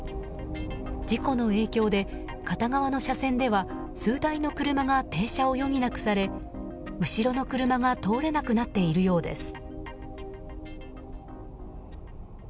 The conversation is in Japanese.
事故の影響で片側の車線では数台の車が停車を余儀なくされ、後ろの車が通れなくなっているようです。